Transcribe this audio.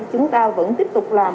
chúng ta vẫn tiếp tục làm